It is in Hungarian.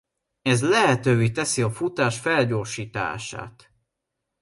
Ez lehetővé teszi a futás felgyorsítását.